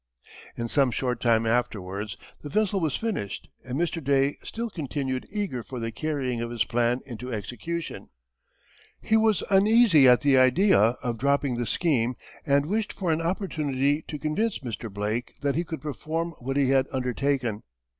_] In some short time afterwards the vessel was finished, and Mr. Day still continued eager for the carrying of his plan into execution; he was uneasy at the idea of dropping the scheme and wished for an opportunity to convince Mr. Blake that he could perform what he had undertaken.